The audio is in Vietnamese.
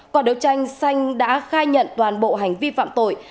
quả đấu tranh xanh đã khai nhận toàn bộ hành vi phạm tội